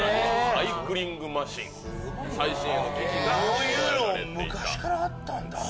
こういうの昔からあったんだ。